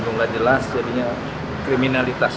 nggak jelas jadinya kriminalitas